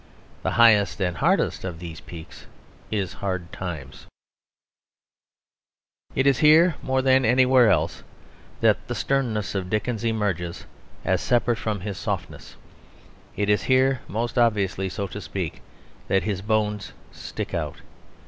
The highest and hardest of these peaks is Hard Times. It is here more than anywhere else that the sternness of Dickens emerges as separate from his softness; it is here, most obviously, so to speak, that his bones stick out.